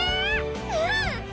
うん！